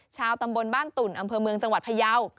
ชาวตำบลบ้านตุ่นอำเภอเมืองจังหวัดพยาว